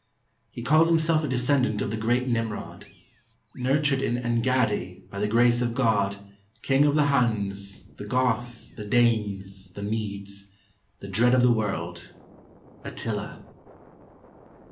He called himself a descendant of the great Nimrod, 'nurtured in Engaddi, by the grace of God, King of the Huns, the Goths, the Danes, the Medes; the Dread of the World,' — Attila.